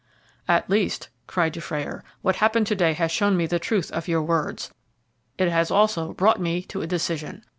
"At least," cried Dufrayer, "what happened to day has shown me the truth of your words it has also brought me to a decision.